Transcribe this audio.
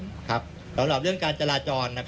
สำหรับเรื่องการจราจร